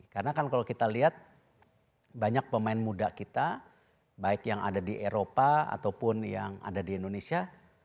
karena kan kalau kita lihat banyak pemain muda kita baik yang ada di eropa ataupun yang ada di indonesia